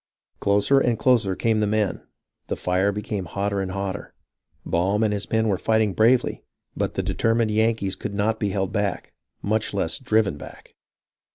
Closer and closer came the men ; the fire became hotter and hotter. Baum and his men were fighting bravely, but the determined Yankees could not be held back, much less driven back.